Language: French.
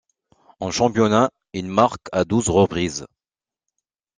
En championnat, il marque à douze reprises.